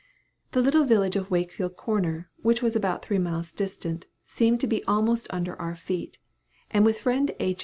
The little village at Wakefield corner, which was about three miles distant, seemed to be almost under our feet; and with friend H.'